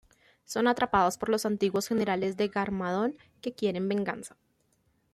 Son atrapados por los antiguos generales de Garmadon, que quieren venganza.